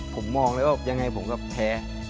ผมมองไม๊ว่ายังไงผมจะแพ้